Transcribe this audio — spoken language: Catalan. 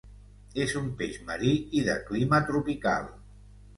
És un peix marí i de clima tropical.